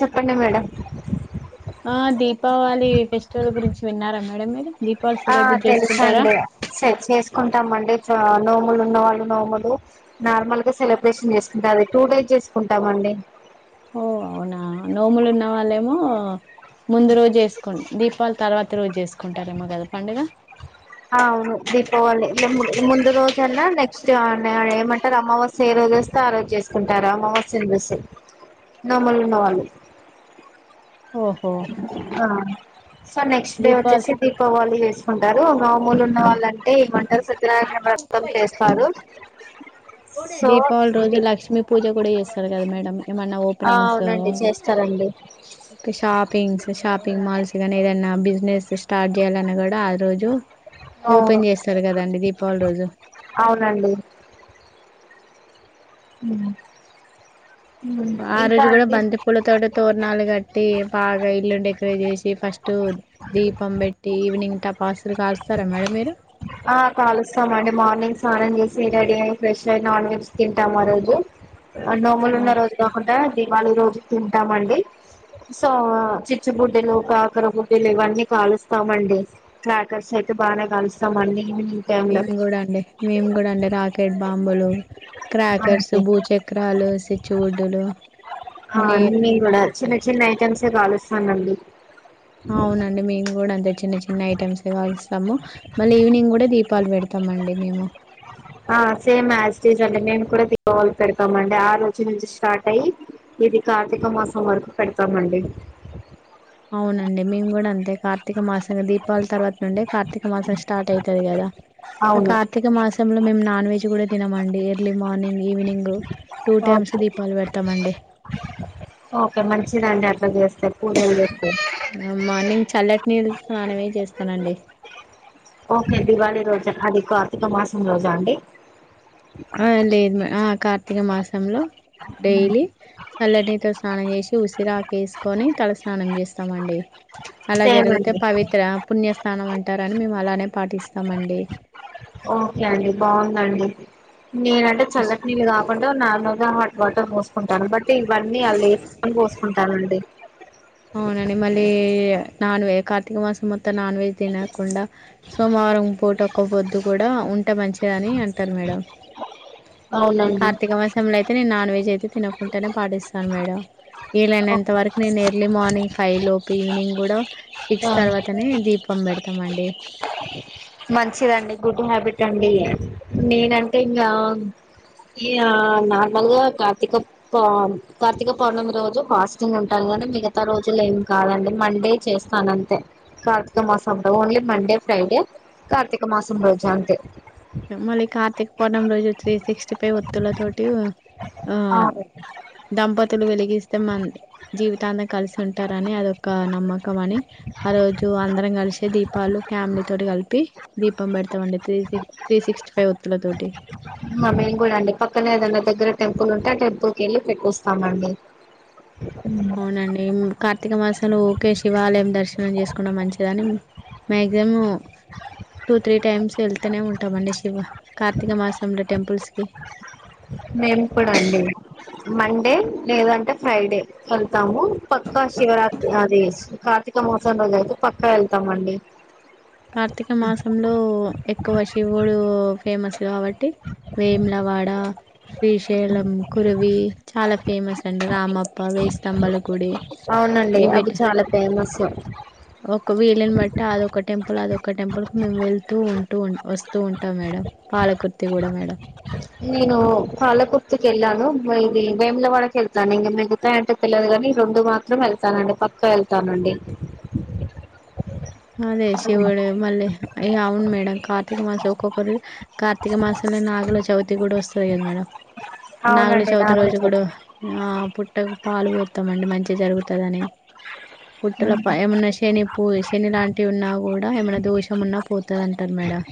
చెప్పండి మేడం ఆ దీపావళి ఫెస్టివల్ గురించి విన్నారా మేడం మీరు దీపావళి ఆ సెలబ్రేట్ చేసుకుంటారా తెలుసండి చేసుకుంటామండి నోములు ఉన్నవాళ్ళు నోములు నార్మల్గా సెలబ్రేషన్ చేసుకుంటా అది టూ డేస్ చేసుకుంటామండి ఓ అవునా నోములు ఉన్న వాళ్ళేమో ముందు రోజు వేసుకుంట దీపాళి తర్వాత రోజు చేసుకుంటారేమో కదా పండుగ అవును దీపావళి ఇలా ము ముందు రోజ అనా నెక్స్ట్ ఏమంటారు అమావాస్య ఏ రో స్తే ఆరోజ చేసుకుంటారా అమామస్యని చూసి నోములు ఉన్నవాళ్ళు ఓహో ఆ సో నెక్స్ట్ డే దీపావళి వచ్చేసి దీపావళి వే కుంటారు మాముూలు ఉన్న వాళ్ళంటే ఈ మంట సత్యనారాయణ వ్రతం చేస్తారు సో దీపావళి రోజు ఇది లక్ష్మీ పూజ కూడా చేస్తారు కదా మేడం ఏమన్నా ఆ ఓపెనింగ్స్ అవునండి చేస్తారండి పషాబ్ షపింగ్స్ షాపింగ్ మాల్స్ నీ ఏదైనా బిజినెస్ స్టార్ట్ చేయాలన్నా కూడా ఆ రోజు అవును ఓపెన్ చేస్తారు కదండి దీపావళి రోజు అవునండి ఉ ఆ రోజు కూడా బంతి పూలతోట తోరనాలు కట్ బాగా ఇల్లు డెకరేట్ చేసి ఫస్ట్ దీపం పెట్టి ఈవినింగ్ టపాసులు కాల్స్తా రా మేడం మీరు ఆ కాలుస్తామండి మార్నింగ్ స్నానం చేసి రెడీ అయి ఫ్రెష్ అయ్య నాన్ వెజ్ తింటాం ఆ రోజు నోములు ఉన్న రోజు కాకుండా దిపాళి రోజు తింటామండి సో చిచ్చు బుడ్డలు కాకర బుడ్డెలు ఇవన్నీ కాలుస్తామండి క్రాకర్స్ అయి ఈ బానే కాల్స్ మేము కూడా అండి మేము కూడా అండి రాకెట్ బాంబులు క్రాకర్స్ భూచక్రాలు సిచ్చువుడ్డులు ఆ అన్నీ కూడా చిన్న చిన్న ఐటమ్సే కాలుస్తానండి అవునండి మీము కూడా అంత చిన్న చిన్న ఐటెమ్స్ కలుస్తాము మళ్ళీ ఈవినింగ్ కూడా దీపాలు పెడతామ అండి మేము ఆ సేమ్ ఎస్ ఇట్ ఇస్ అండి నేను కూడా దీపాలు పెడతామండి ఆ రోజు నుంచి స్టార్ట్ అయ్యి ఇది కార్తీక మాసం వరకు పెడతామండి అవునండి మేము కూడా అంతే కార్తీక మాసం ఇంగ దీపావళి తర్వాత నుండి కార్తీక మాసం స్టార్ట్ అయితది కదా ఆ అవును కార్తీక మాసంలో మేము నాన్ వెజ్ కూడా తినమ అండి early morning evening two times okay దీపాలు పెడతామండి ఓకే మంచిదండి అట్లా చేస్ మార్నింగ్ చల్లటి నీళ్ళు స్నానమే చేస్తనండి. ఓకే దివాళి రోజు అది కార్తీక మాసం రోజా అండి. ఆ లేదు మ ఆ కార్తీక మాసంలో డైలీ చల్లటినీతో స్నానం చేసి, ఉసిరాకు ఏసుకొని తలస్నానం చేస్తమండి. అలా సేమ్ జరుగుతే అండి పవిత్ర, విపుణ్యస్థానం అంటారని మేము అలానే పాటిస్తామండి. ఓకే అండి బాగుందండి. నేనంటే చల్లటి నీళ్ళు కాకుండా నార్మల్గా హాట్ వాటర్ పోసుకుంటాను, బట్ ఇవన్నీ అళ్ వే సుకుంటానండి అవునండి మళ్ళీ నాన్వజ్ కార్తీక మాసం మొత్తం నాన్ వెజ్ తినకుండా, సోమవారం పూట ఒకపొద్దు కూడా ఉంటే మంచిదని అంటరు మేడం. అవునండి కార్తక మాసం లో అయితే నేను నాన్వెజ్ జ్ అయితే తినకుంటనే పాటిస్తాను మేడం, వీలయినంతవరకు నేను ఎర్లీ మార్నింగ్ ఫైవ్ లోపు, ఈవినింగ్ కూడా సిక్స్ ఓకే తర్వాతనే దీప్ పం పెడతమండి. మంచిదండి గుడ్ హ్యాబిట్ అండి, నేనంటే ఇంగ ఇగ నార్మల్ గా కార్తీక ప కార్తీక పౌర్ణమి రోజు ఫాస్టింగ్ ఉంటాను గని మిగతా రోజులు ఏం కాదండి మండే చేస్తానంతే, కార్తీక మాసంలో ఓన్లీ మండే, ఫ్రైడే కార్తీక మాసం రోజు అంతే. మళ్ళీ కార్తీక పూర్ణం రోజు త్రీ సిక్స్టీ ఫైవ్ ఒత్తుల తోటి ఆ దంపతత్ త్తులు వెలిగిస్తే మన్ జీవితాంతం కలిసి ఉంటారని అదొక నమ్మకం అని, ఆ రోజు అందరం కలిసే దీపాలు ఫ్యామిలీ తోటి కలిపి, దీపం పెడతమండి త్రీ సిక్స్టీ ఫైవ్ ఒత్తులతోటి మ మేము కూడా అండి, పక్కనే ఏదైనా దగ్గర టెంపుల్ ఉంటే ఆ టెంపుల్ కి వెళ్ళి పెట్టొస్తామండి. అవునండి ఉమ్ కార్తీక మాసంలో ఓకే శివాలయం దర్శనం చేసుకుంటే మంచిదని మ్యాక్సిమం టూ త్రీ టైమ్స్ వెళ్తూనే ఉంటామండి, శివ కార్తీక మాసంలో టెంపుల్స్ కి మేము కూడా అండి. మండే లేదంటే ఫ్రైడే వెళ్తాము, పక్క శివరాత్రి అది కార్తీక మోసల్లో రోజుయితే పక్కా వెళ్తామండి. కార్తీక మాసంలో ఎక్కువ శివుడు ఫేమస్ కాబట్టి వేములవాడ శ్రీశైలం కురివి చాలా ఫేమస్ అండి, రామప్ప వేయి స్తంభాలా అవునండి అవి చాలా ఫేమస్ కు వీలుని బట్టి అదోక టెంప్ టంల్ అదొ ఒక టెంపుల్ కి మేము వెళ్తూ ఉంటూ వస్తూ ఉంటాం మేడం, పాలకుర్తి కూడా మేడం. నేను పాలకుర్తి కి వెళ్ళాను, ఇది వేముల వాడకెళ్తాను ఇంగ మిగతాయి అంటె తెల్ నీ రొండు మాత్రం వెళ్తానండి పక్కా వెళ్తానండి. అదే శివుడు మళ్ళీ ఇగ అవును మేడం కార్తీక మాసం ఒక్కొక్కరి కార్తీక మాసంలో నాగుల చవితి కూడా వస్తది కదా మేడం. నాగులు అవునండి చవితి నాగుల రోజు కూడ ఆ పుట్ట పాలు పొత్తమండి, మంచిగ జరుగుతదని పుట్టల ఉమ్. పై ఏమన్నా శని పూజ శని లాంటివి ఉన్నా కూడా ఏమైన్న దోషం ఉన్నా పోతది అంటరు మేడం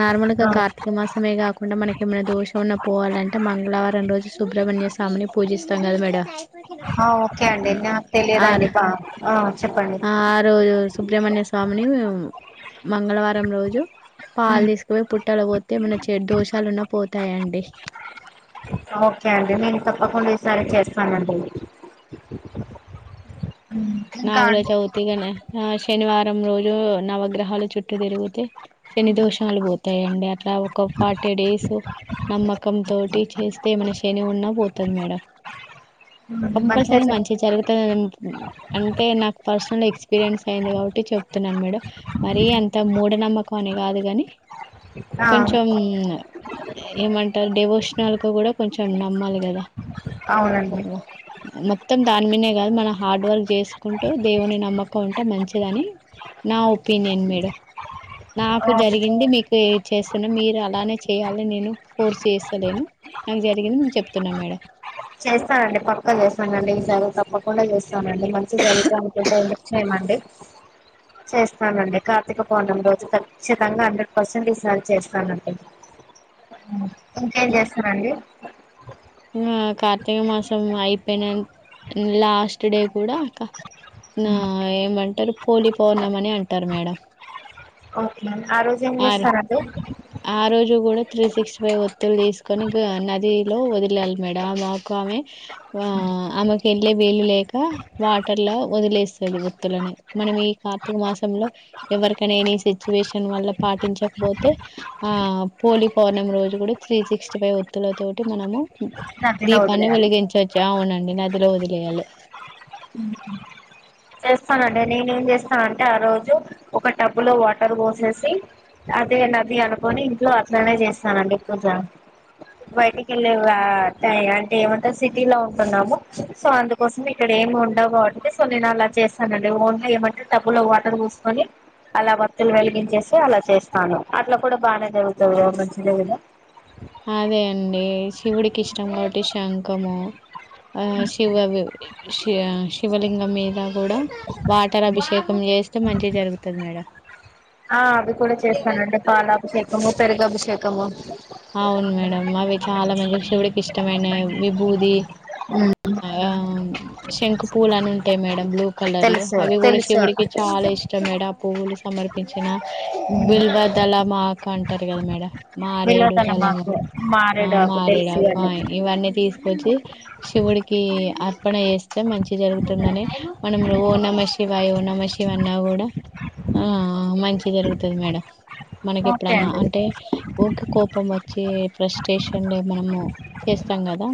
నార్మల్గా ఆ కార్తీక మాస మే కాకుండా మనకేమన్నా దోషం ఉన్న పోవాలంటే, మంగళారం రోజు సుబ్రహ్మణ్య స్వామిని పూజిస్తాం కదా మేడం. ఆ, ఓకే అండి నాకు ఆరు తెలియదండి బా ఆ చెప్పండి ఆ రోజూ సుబ్రహ్మణ్య స్వామిని మంగళవారం రోజు పాలు ఉమ్. తీసుకుపోయి పుట్టాల పోత్తే ఏమన్న చెడు దోషాలున్న పోతాయండి. ఓకే అండి నేను తప్పకుండా ఈసారి చేస్తానండి. ఉమ్, ఇంకా అండి నాగలచౌతి గాని ఆ శనివారం రోజు నవగ్రహాలు చుట్టూ తిరిగితే శని దోషాలు పోతాయండి అట్లా ఒక ఫార్టీ డేస్ నమ్మకం తోటి చేస్తే ఏమైన శని ఉన్నా పోతాది మేడం ఉమ్, మంచిగా కంపల్సరి చెప్ మంచ్ జరుగ్ అంటే నాకు పర్సనల్ ఎక్స్పీరియన్స్ అయింది కాబట్టి చెప్తున్నాను మేడం మరి అంత మూఢనమ్మకం అని కాదు కాని ఆ కొంచెం ఏమంటారు డెవోషనల్ కు కూడా కొంచెం నమ్మాలి కదా అవునండి ఓ మొత్తం దాన్మినే కాదు మేడం హార్డ్ వర్క్ చేసుకుంటూ దేవుని నమ్మకం ఉంటే మంచిదని నా ఒపినియన్ మేడం ఆ, నాకు జరిగింది మీకు ఏ చేస్తున్నా మీరు అలానే చేయ్యాలి నేను ఫోర్స్ చేస్తలేను నాకు జరిగింది మీక్ చెప్తున్నా మేడం చేస్తానండి పక్క చేస్తానండి ఈ సారి తప్పకుండా చేస్తానండి మంచి జరగతుదంటే ఎందుకు చేయ్మండి చేస్తానండి కార్తీక పూర్ణమి రోజు ఖచ్చితంగా హండ్రెడ్ పర్సెంట్ ఇస్తా చేస్తానండి ఇంకేం చేస్తారండి హ్మ్ కార్తిక మాసం అయిపోన లాస్ట్ లాస్ట్ డే కూడా నా ఏమంటారు కూలిపోన్నామే అంటారు మేడం ఓకే ఆ రోజు ఆరు ఎంస్తారు అండి ఆ రోజు కూడా త్రీ సిక్స్ ఫైవ్ ఒత్తిలు తీసుకొని నదిలో వదిలాలి మేడం మాక్ ఆమె ఆ ఆమెకు వెళ్ళే వీలు లేక వాటర్ల వదిలేస్తది ఒత్తులని మనం ఈ కార్తీక మాసంలో ఎవరికనేని సిచ్యువేషన్ వల్ల పాటించకపోతే ఆ పోలి పౌర్ణమి రోజు కూడా త్రీ సిక్స్టీ ఫైవ్ ఒత్తుల తోటి మనము నదిలో దీపాన్ని వదిలేయాలి వెలిగించొచ్చు అవునండి నదిలో వదిలేయాలి మ్మ్ హ్ చేస్తానండి నేను ఏం చేస్తాను అంటే ఆ రోజు ఒక టబ్బు లో వాటర్ పోసేసి అదే నది అనుకొని ఇంట్లో అట్లనే చేస్తానండి పూజ బయటికి ఆ వెళ్ళే వా టై అంటే ఏమంటారు సిటీలో ఉంటున్నాము సో అందుకోసం ఇక్కడ ఏం ఉండవు కాబట్టి సో నేను అలా చేస్తానండి ఓన్లీ ఏమంటే టబ్బులో వాటర్ పోసుకొని అలా వత్తులు వెలిగించేసి అలా చేస్తాను అట్లా కూడా బానే దేవుని తోడుగా మంచిదేలా అదే అండి శివుడికి ఇష్టం కాబట్టి శంఖము ఆ శివవి శె శివలింగం మీద కూడా వాటర్ అభిషేకం ఏ చేస్తే మంచిగ జరుగుతది మేడం ఆ అవి కూడా చేస్తానండి పాలాభిషేకము పెరుగు అభిషేకము అవును మేడమ్ అవి చాలా మంచి శివుడికి ఇష్టమైన విభూది అవా శంఖు పూలు అని ఉంటాయి మేడం బ్లూ కలర్లో తెలుసు అవి కూడా తెలుసు శివుడికి చాలా ఇష్టం మేడం ఆ పువ్వులు సమర్పించిన బిల్వ దళం ఆకు అంటారు కదా మేడం మారేడు ల దళము మాకు ఆ మారేడు ఆకు మారేడ తెలుసు అండి కాయ్ ఇవన్నీ తీసుకొచ్చి శివుడికి అర్పణ చేస్తే మంచి జరుగుతుందనే మనం ఓ నమః శివాయ ఓ నమః శివాయ అన్నా కూడా ఆ మంచి జరుగుతుంది మేడం మనకి ఓకే ఎప్పుడన్నా అండి అంటే [unintelligible] కో కోప్పం వచ్చి ఫ్రస్ట్రేషన్లో మనము చేస్తాం కదా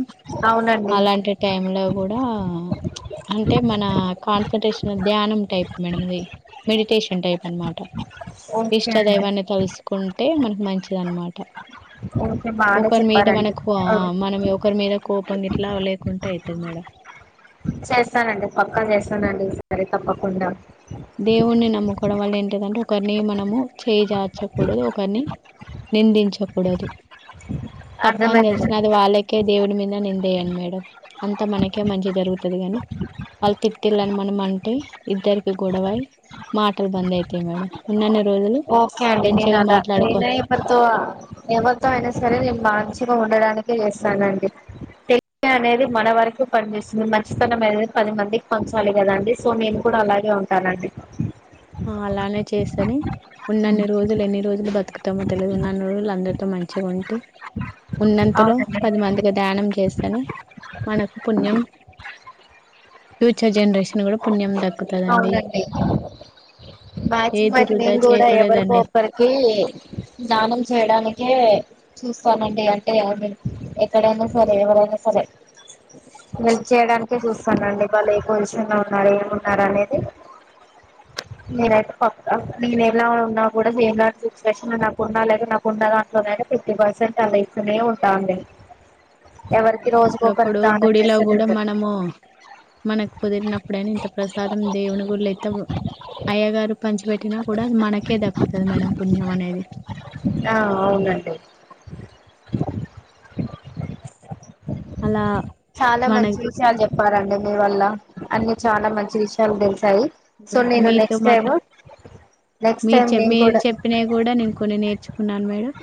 అవునండి అలాంటి టైమ్ లో కూడా ప్చ్ అంటే మన కాన్సన్ట్రేషన్ ధ్యానం టైప్ మేడం ఇది మెడిటేషన్ టైప్ అనమాట ఓకే ఇష్ట అండి దైవాన్ని తలుసుకుంటే మనకు మంచిది అనమాట ఓకే బాగానే ఒకరి మీద మనకు ఆ చెప్పారండి మనం ఒకరి మీద కోపం ఇట్లా లేకుంటే అయితది మేడం చేస్తానండి పక్కా చేస్తానండి ఈసారి తప్పకుండా దేవుణ్ణి నమ్ముకోవడం వల్ల ఏంటదంటే ఒకరిని మనము చేయిజార్చకూడదు ఒకరిని నిందించకూడదు తప్పని అర్థమైందండి తెలిసిన అది వాళ్ళకే దేవుడి మీద నిందేయడి మేడం అంత మనకే మంచి జరుగుతది గాని వాళ్ళు తిటీళ్ళని మనం అంటే ఇద్దరికి గోడవై మాటలు బంద్ అవుతాయి మేడం ఉన్నన్ని రోజులు ఓకే అండి మంచిగా మాట్లాడుకో ఎవరిలో అయినా సరే నేను మంచిగా ఉండడానికే చేస్తానండి తె అనేది మన వరకు పనిచేస్తుంది మంచితనం అనేది పది మందికి ప చాలి కదాండి సో నేను కూడా అలాగే ఉంటానండి ఆ అలానే చేస్తని ఉన్నన్ని రోజులు ఎన్ని రోజులు బతుకుతామో తెలిదు ఉన్నన్ని రోజులు అందరితో మంచిగా ఉంటి ఉన్నంతలో అవునండి పది మందిగా ధ్యానం చేస్తనే మనకు పుణ్యం ఫ్యూచర్ జనరేషన్ కూడా పుణ్యం దక్కుతదండి అవునండి మాక్సిమం ఏది అయితే వృధా నేను కూడా చేయకూడదండి ఎవరికోకరికి ధానం చేయడానికే టే చూస్తానండి అంటే ఐ మీన్ ఎక్కడైనా సరే ఎవరైనా సరే హెల్ప్ చేయడానికే చూస్తానండి వాళ్ళ ఏ పో సిషన్ ఉన్నారు ఏమిన్నారు అనేది నేనైతే పక్క నేను ఎలా ఉన్నా కూడా ఏ ంటి సిచువేషన్ నాకున్నా లేక నాకు ఉన్న దాంట్లో ఫిఫ్టీ పర్సెట్ అలా ఇస్తూనే ఉంటా అండి అవును అప్పుడప్పుడు గుడిలో కూడా ఉంటది మనము మనకు కుదిరినప్పుడైనా ఇంత ప్రసాదం దేవుని గుళ్ళయితే అయ్య గారు పంచి పెట్టినా కూడా మనకే దక్కుతాది మేడం పుణ్యం అనేది ఆ అవును అండి అలా చాలా మన మంచి విషాలు చెప్ప ప్పారంండి మీ వల్ల అన్ని చాలా మంచి విషయాలు తెలిసాయి సో నేను మీతో నెక్స్ట్ టైమ్ మాట్లా నెక్స్ట్ మీరు టైం చె నేను మీరు కూడా చెప్పినాయి కూడా నేను కొన్ని నేర్చుకున్నాను మేడం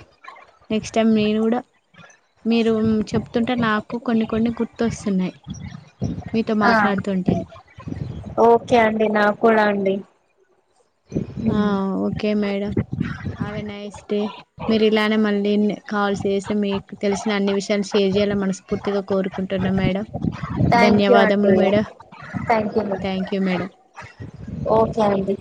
నెక్స్ట్ టైం నేను కూడా మీరు చెప్తుంటే నాకు కొన్ని కొన్ని గుర్ ర్తిస్తున్నారు ఆ ఓకే అండి నా కూడా అండి ఆ okay madam have a nice day మీరు ఇలానే మళ్ళీ కాల్ చేసి మీకు తెలిసిన అన్ని విషయాలు షేర్ చే ఇలా మనస్ఫూర్తిగా కోరుకుంటున్నాం మేడడం థాంక్ యూ అండి థాంక్ యూ మ థ్యాంక్ యూ మేడం ఓకే అండి